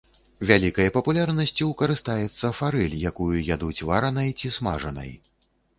Вялікай папулярнасцю карыстаецца фарэль, якую ядуць варанай ці смажанай.